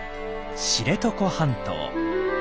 知床半島。